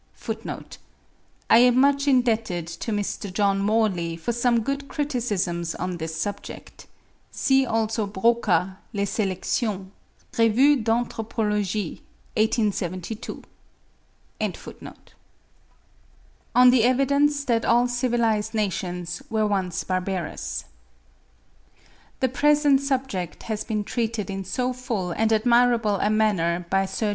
(31. I am much indebted to Mr. John Morley for some good criticisms on this subject: see, also Broca, 'Les Selections,' 'Revue d'Anthropologie,' 1872.) ON THE EVIDENCE THAT ALL CIVILISED NATIONS WERE ONCE BARBAROUS. The present subject has been treated in so full and admirable a manner by Sir J.